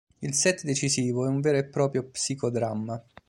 Il set decisivo è un vero e proprio psicodramma.